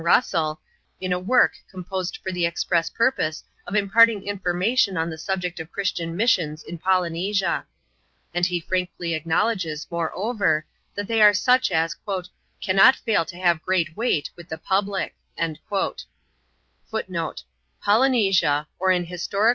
Russell, in a work composed for the express purpose of im parting information on the subject of Christian missions in Polynesia. And he frankly acknowledges, moreover, that they are such as " cannot fail to have great weight with the pub lic."